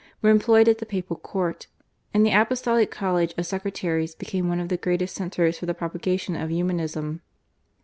were employed at the Papal court, and the apostolic college of secretaries became one of the greatest centres for the propagation of Humanism.